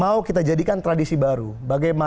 apakah melanggar hukum